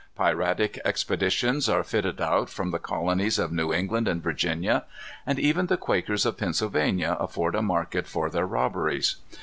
Piratic expeditions are fitted out from the colonies of New England and Virginia; and even the Quakers of Pennsylvania afford a market for their robberies.